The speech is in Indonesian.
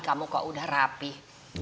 kamu kok udah rapih